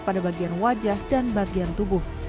pada bagian wajah dan bagian tubuh